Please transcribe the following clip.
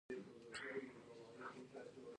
رسۍ شلېدلې باور له منځه وړي.